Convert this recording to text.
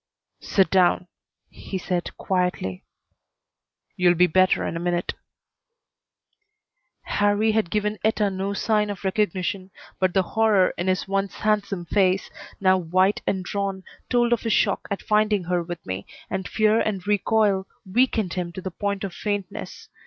"Sit down," he said, quietly. "You'll be better in a minute." Harrie had given Etta no sign of recognition, but the horror in his once handsome face, now white and drawn, told of his shock at finding her with me, and fear and recoil weakened him to the point of faintness.